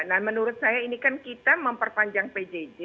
nah menurut saya ini kan kita memperpanjang pjj